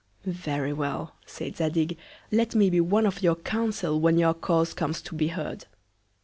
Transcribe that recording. Very well! said Zadig, let me be one of your Council when your Cause comes to be heard.